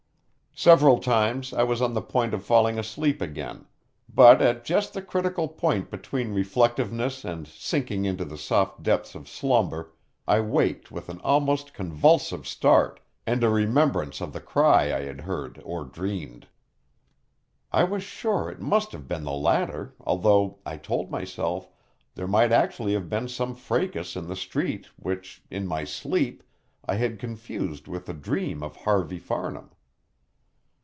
Several times I was on the point of falling asleep again, but, at just the critical point between reflectiveness and sinking into the soft depths of slumber, I waked with an almost convulsive start, and a remembrance of the cry I had heard or dreamed. I was sure it must have been the latter, although, I told myself, there might actually have been some fracas in the street which, in my sleep, I had confused with a dream of Harvey Farnham.